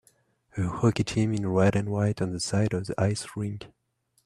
A hockey team in red and white on the side of the ice rink